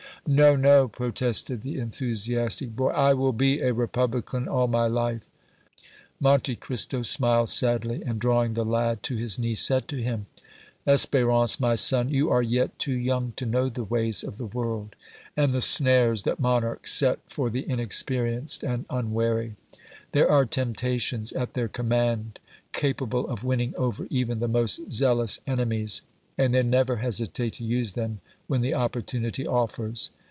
"No, no," protested the enthusiastic boy; "I will be a Republican all my life!" Monte Cristo smiled sadly, and, drawing the lad to his knee, said to him: "Espérance, my son, you are yet too young to know the ways of the world and the snares that monarchs set for the inexperienced and unwary. There are temptations at their command capable of winning over even the most zealous enemies, and they never hesitate to use them when the opportunity offers.